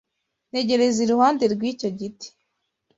Ntegereza iruhande rwicyo giti.